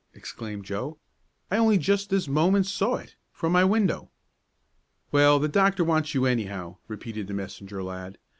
exclaimed Joe. "I only just this moment saw it from my window." "Well, the doctor wants you, anyhow," repeated the messenger lad.